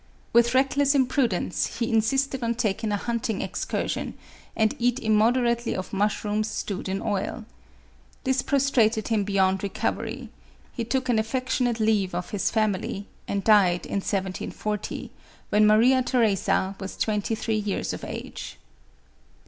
With reckless impru dence, he insisted on taking a hunting excursion, and eat immoderately of mushrooms stewed in oil. This prostrated him beyond recovery ; he took an affection 186 MARIA THERESA.. ate leave of his family, and died in 1740, when Maria Theresa was twenty three years of age.